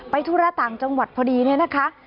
ธุระต่างจังหวัดพอดีเนี่ยนะคะ